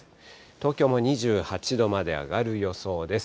東京も２８度まで上がる予想です。